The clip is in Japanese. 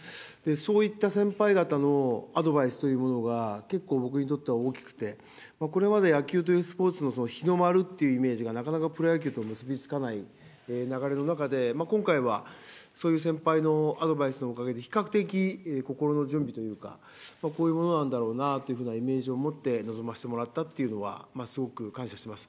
そういった先輩方のアドバイスというものが結構、僕にとっては大きくて、これまで野球というスポーツの、その日の丸っていうイメージがなかなかプロ野球と結び付かない流れの中で、今回はそういう先輩のアドバイスのおかげで比較的心の準備というか、こういうものなんだろうなっていうふうなイメージを持って臨ませてもらったというのはすごく感謝してます。